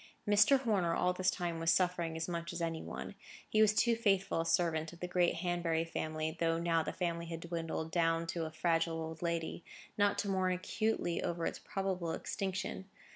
Mr. Horner all this time was suffering as much as any one. He was too faithful a servant of the great Hanbury family, though now the family had dwindled down to a fragile old lady, not to mourn acutely over its probable extinction.